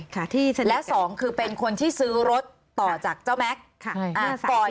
ค่ะที่แล้วสองคือเป็นคนที่ซื้อรถต่อจากเจ้าแม็กซ์ค่ะอ่า